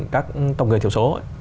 các tổng người thiểu số